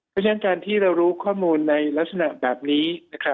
เพราะฉะนั้นการที่เรารู้ข้อมูลในลักษณะแบบนี้